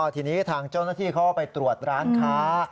ทีนี้ทางเจ้าหน้าที่เขาก็ไปตรวจร้านค้า